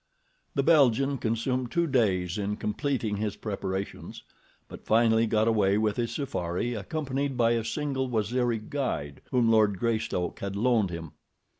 The Belgian consumed two days in completing his preparations, but finally got away with his safari, accompanied by a single Waziri guide whom Lord Greystoke had loaned him.